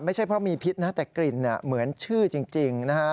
ไม่ใช่เพราะมีพิษนะแต่กลิ่นเหมือนชื่อจริงนะฮะ